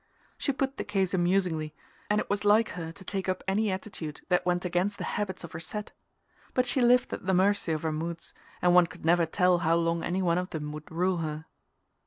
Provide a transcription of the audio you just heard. She put the case amusingly, and it was like her to take up any attitude that went against the habits of her set; but she lived at the mercy of her moods, and one could never tell how long any one of them would rule her.